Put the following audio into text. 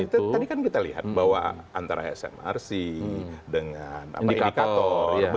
tadi kan kita lihat bahwa antara smrc dengan indicator